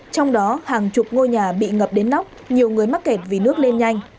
trong đó hàng chục ngôi nhà bị ngập đến nóc nhiều người mắc kẹt vì nước lên nhanh